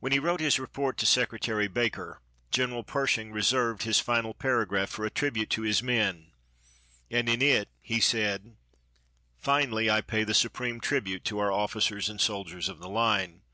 When he wrote his report to Secretary Baker, General Pershing reserved his final paragraph for a tribute to his men, and in it he said: "Finally, I pay the supreme tribute to our officers and soldiers of the line.